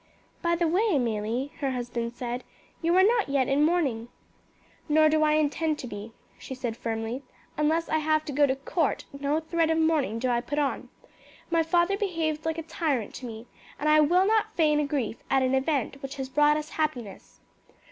"By the way, Amelie," her husband said, "you are not yet in mourning." "Nor do I intend to be," she said firmly; "unless I have to go to court no thread of mourning do I put on. My father behaved like a tyrant to me, and I will not feign a grief at an event which has brought us happiness.